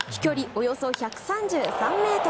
およそ１３３ｍ。